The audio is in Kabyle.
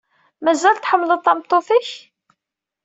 Mazal tḥemmleḍ tameṭṭut-ik?